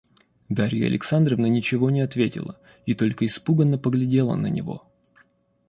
Дарья Александровна ничего не ответила и только испуганно поглядела на него.